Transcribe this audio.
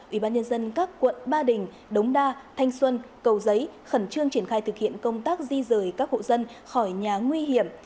ủy ban nhân dân các quận ba đình đống đa thanh xuân cầu giấy khẩn trương triển khai thực hiện công tác di rời các hộ dân khỏi nhà nguy hiểm